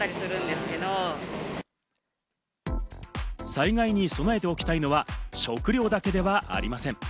災害に備えておきたいのは食料だけではありません。